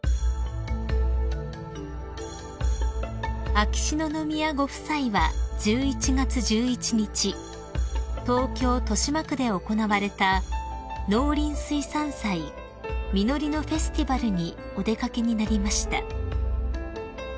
［秋篠宮ご夫妻は１１月１１日東京豊島区で行われた農林水産祭実りのフェスティバルにお出掛けになりました］